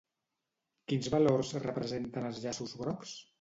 Quins valors representen els llaços grocs?